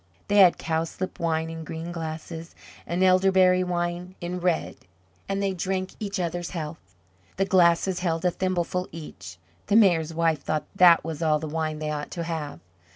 They had cowslip wine in green glasses, and elderberry wine in red, and they drank each other's health. The glasses held a thimbleful each; the Mayor's wife thought that was all the wine they ought to have.